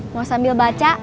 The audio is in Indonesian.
mau sambil baca